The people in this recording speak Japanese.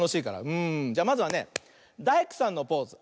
じゃまずはね「だいくさん」のポーズ。